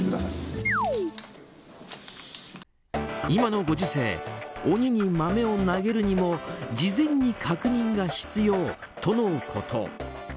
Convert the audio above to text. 今のご時世鬼に豆を投げるにも事前に確認が必要とのこと。